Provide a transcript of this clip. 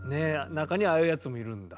中にはああいうやつもいるんだ。